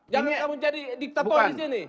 jangan kamu jadi diktator disini